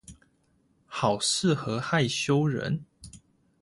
好適合害羞人